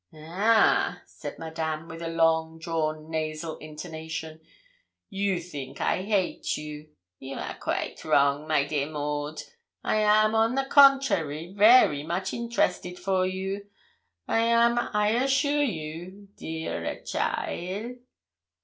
'Ah!' said Madame, with a long drawn nasal intonation, 'you theenk I hate you. You are quaite wrong, my dear Maud. I am, on the contrary, very much interested for you I am, I assure you, dear a cheaile.'